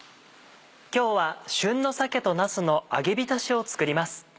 今日は旬の「鮭となすの揚げびたし」を作ります。